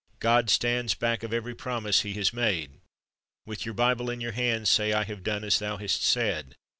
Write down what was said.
God stands back of every promise He has made. With your Bible in your hands say, I have done as Thou hast said.